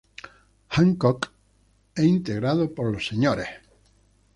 Hancock e integrado por los Sres.